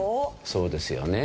そうですよね。